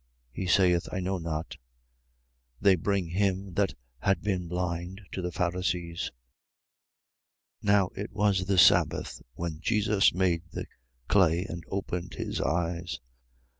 He saith: I know not. 9:13. They bring him that had been blind to the Pharisees. 9:14. Now it was the sabbath, when Jesus made the clay and opened his eyes. 9:15.